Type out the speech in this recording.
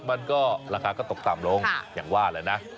มันก็ราคาก็ตกต่ำลงอย่างว่าแหละนะ